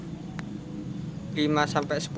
dalam satu bulan bisa mendapatkan berapa